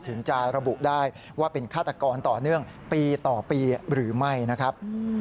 ถึงจะระบุได้ว่าเป็นฆาตกรต่อเนื่องปีต่อปีหรือไม่นะครับ